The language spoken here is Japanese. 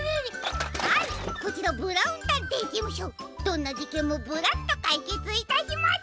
どんなじけんもブラッとかいけついたします。